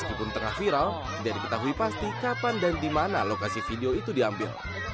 meskipun tengah viral tidak diketahui pasti kapan dan di mana lokasi video itu diambil